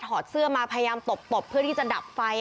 อดเสื้อมาพยายามตบตบเพื่อที่จะดับไฟ